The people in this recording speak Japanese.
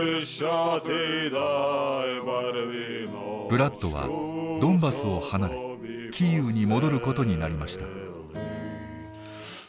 ブラッドはドンバスを離れキーウに戻ることになりました。